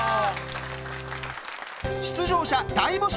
出場者大募集。